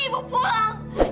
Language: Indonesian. dia mau ibu keluar dari rumah ini